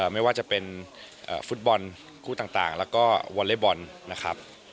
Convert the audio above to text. ไม่ว่าจะเป็นฟุตบอลคู่ต่างแล้วก็วอเล็กบอลนะครับ